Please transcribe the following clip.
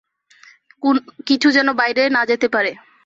কিছু যেন বাইরে না যেতে পারে।